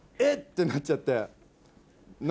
てなっちゃって。